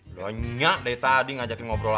udah nyak dari tadi ngajakin ngobrolan